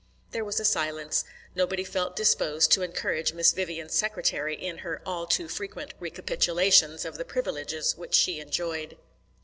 There was a silence. Nobody felt disposed to encourage Miss Vivian's secretary in her all too frequent recapitulations of the privileges which she enjoyed.